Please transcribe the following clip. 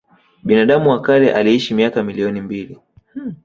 Binadamu wa kale aliishi miaka milioni mbili